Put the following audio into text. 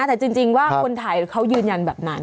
แต่จริงว่าคนถ่ายเขายืนยันแบบนั้น